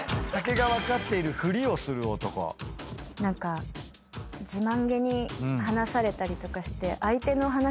何か自慢げに話されたりとかして。